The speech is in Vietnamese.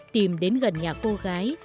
tìm đến gần nhà cô gái